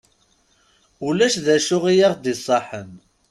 Ulac d acu i aɣ-d-iṣaḥen.